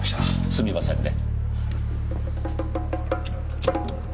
すみませんね。